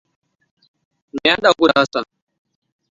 Me ya hada ku da Hassan?